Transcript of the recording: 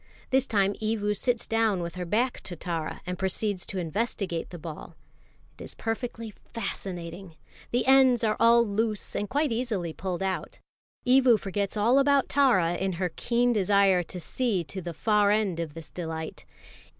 This time Evu sits down with her back to Tara, and proceeds to investigate the ball. It is perfectly fascinating. The ends are all loose and quite easily pulled out. Evu forgets all about Tara in her keen desire to see to the far end of this delight.